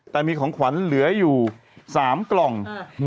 แต่มีของขวัญเหลืออยู่๓กล่อง